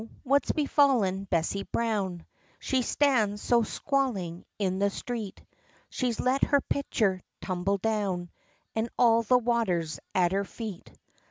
what's befallen Bessy Brown, She stands so squalling in the street; She's let her pitcher tumble down, And all the water's at her feet!